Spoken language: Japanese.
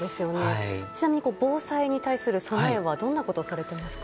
ちなみに防災に対する備えはどんなことをされていますか？